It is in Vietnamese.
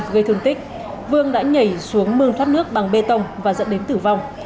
gây thương tích vương đã nhảy xuống mương thoát nước bằng bê tông và dẫn đến tử vong